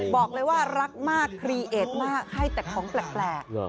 บอกเลยว่ารักมากคลีเอดมากให้แต่ของแปลก